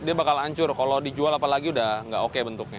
dia bakal ancur kalau dijual apalagi udah nggak oke bentuknya